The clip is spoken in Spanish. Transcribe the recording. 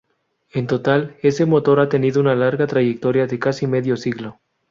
En total, este motor ha tenido una larga trayectoria de casi medio siglo.